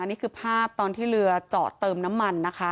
นี่คือภาพตอนที่เรือจอดเติมน้ำมันนะคะ